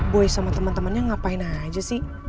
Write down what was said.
boy sama temen temennya ngapain aja sih